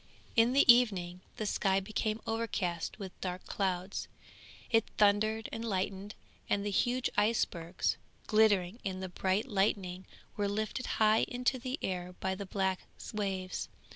In the evening the sky became overcast with dark clouds; it thundered and lightened, and the huge icebergs glittering in the bright lightning, were lifted high into the air by the black waves.